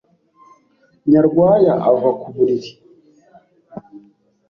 Nyarwaya ava ku buriri,